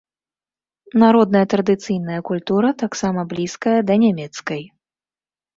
Народная традыцыйная культура таксама блізкая да нямецкай.